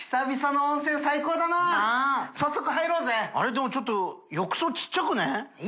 でもちょっと浴槽ちっちゃくない？